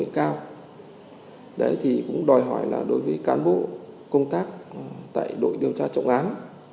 vậy thì cũng đòi hỏi là đối với cán bộ công tác tại đội điều tra trọng án